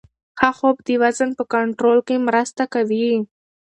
ښه خوب د وزن په کنټرول کې مرسته کوي.